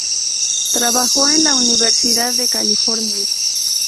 Trabajó en la Universidad de California.